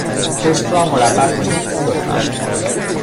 پشت را مربع کنید، لطفا.